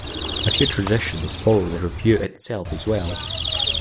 A few traditions follow the revue itself as well.